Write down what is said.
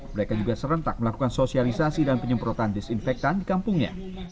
mereka juga serentak melakukan sosialisasi dan penyemprotan disinfektan di kampungnya